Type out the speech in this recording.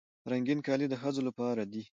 رنګین کالي د ښځو لپاره دي.